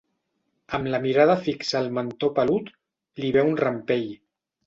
Amb la mirada fixa al mentó pelut, li ve un rampell.